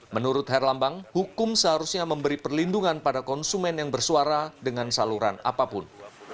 menurut herlambang hukum seharusnya memberi perlindungan pada konsumen yang bersuara dengan saluran apapun